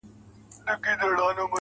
د سترګو کي ستا د مخ سُرخي ده.